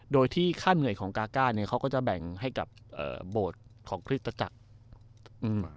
โดยที่ค่าเหนื่อยของกาก้าเนี้ยเขาก็จะแบ่งให้กับเอ่อโบสถ์ของคริสตจักรอืม